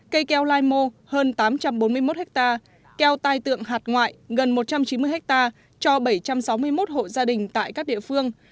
cây keo limo hơn tám trăm bốn mươi một hectare keo tai tượng hạt ngoại gần một trăm chín mươi hectare cho bảy trăm sáu mươi một hộ gia đình tại các địa phương